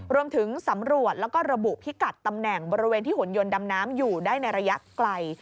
รวมถึงสำรวจแล้วก็ระบุพิกัดตำแหน่งบริเวณที่หุ่นยนต์ดำน้ำอยู่ได้ในระยะไกล